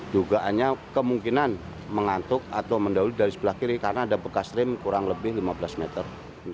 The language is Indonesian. dugaannya kemungkinan mengantuk atau mendahului dari sebelah kiri karena ada bekas rem kurang lebih lima belas meter